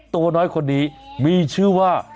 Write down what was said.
ตัวน้อยคนนี้มีชื่อว่า